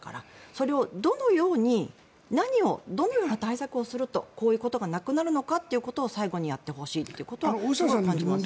それを何をどのような対策をするとこういうことがなくなるのかということを最後にやってほしいということは感じます。